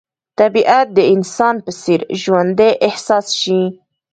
طبیعت د انسان په څېر ژوندی احساس شي.